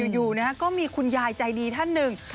อยู่ก็มีคุณยายใจดีท่านหนึ่ง